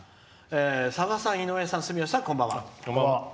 「さださん、井上さん、住吉さんこんばんは。